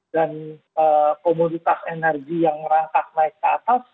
dan komoditas energi yang merangkak naik ke atas